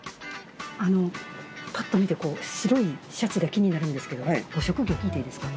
あのパッと見て白いシャツが気になるんですけどご職業聞いていいですか？